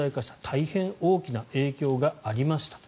大変大きな影響がありましたと。